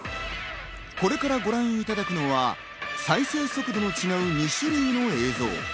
これからご覧いただくのは再生速度の違う２種類の映像。